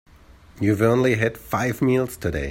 You've only had five meals today.